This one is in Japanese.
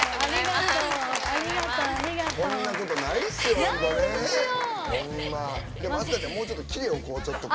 こんなこと、ないっすよ